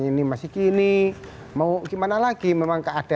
ini udah pernah berusaha tidak untuk tinggal di daerah indonesia aja begitu